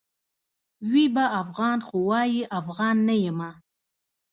وي به افغان؛ خو وايي افغان نه یمه